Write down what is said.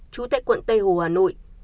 chú tại quận tây hồ hà nội